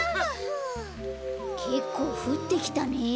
けっこうふってきたね。